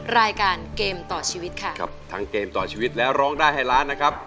รายการเกมต่อชีวิตค่ะครับทั้งเกมต่อชีวิตและร้องได้ให้ล้านนะครับ